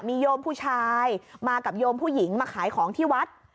มีโยมผู้ชายมากับโยมผู้หญิงมาขายของที่วัด